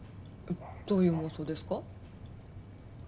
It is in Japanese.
どういう妄想ですか？